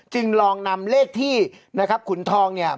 จึงลองนำเลขที่นะครับขุนทองเนี่ย